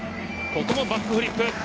ここもバックフリップ。